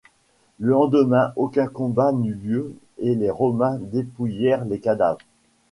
Le lendemain aucun combat n'eut lieu et les Romains dépouillèrent les cadavres.